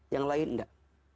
yang lain tidak